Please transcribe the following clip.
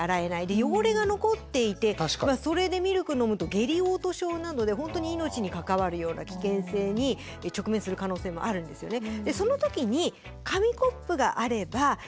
で汚れが残っていてそれでミルク飲むと下痢嘔吐症になるので本当に命に関わるような危険性に直面する可能性もあるんですよね。